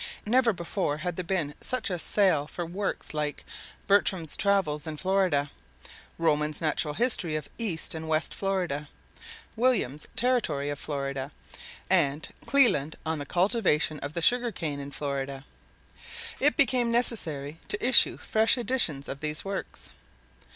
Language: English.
Never before had there been such a sale for works like "Bertram's Travels in Florida," "Roman's Natural History of East and West Florida," "William's Territory of Florida," and "Cleland on the Cultivation of the Sugar Cane in Florida." It became necessary to issue fresh editions of these works.